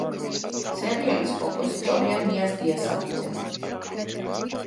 სერიალის კომპოზიტორია ნიაზ დიასამიძე.